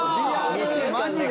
マジで？